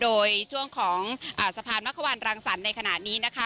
โดยช่วงของสะพานมะควันรังสรรค์ในขณะนี้นะคะ